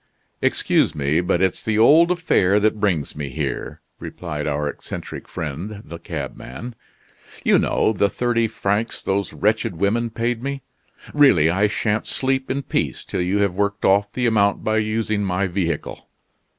"Excuse me, but it's the old affair that brings me here," replied our eccentric friend the cabman. "You know the thirty francs those wretched women paid me. Really, I shan't sleep in peace till you have worked off the amount by using my vehicle.